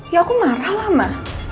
ya aku marah lah ma